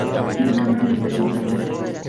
En la Cámara de Representantes.